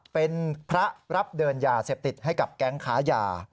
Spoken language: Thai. เป็นพระรับเดินยาเสพติดให้กับแก๊งค้ายา